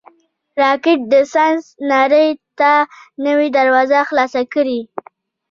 راکټ د ساینس نړۍ ته نوې دروازه خلاصه کړې